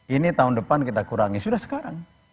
ini tahun depan kita kurangi sudah sekarang